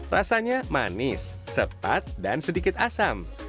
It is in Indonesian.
rasanya manis sepat dan sedikit asam